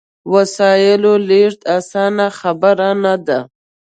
وسایلو لېږد اسانه خبره نه ده.